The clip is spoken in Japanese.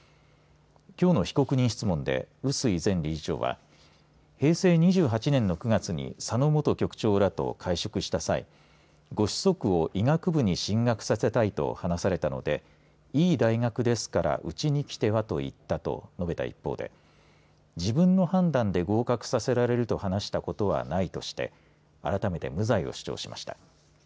きょうの被告人質問で臼井前理事長は平成２８年の９月に佐野元局長らと会食した際ご子息を医学部に進学させたいと話されたのでいい大学ですからうちにきてはと言ったと述べた一方で自分の判断で合格させられると話したことはないとしてあらためて無罪を主張しました。